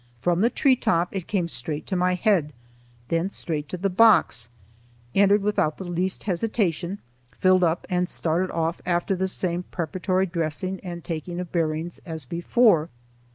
From the tree top it came straight to my head, thence straight to the box, entered without the least hesitation, filled up and started off after the same preparatory dressing and taking of bearings as before.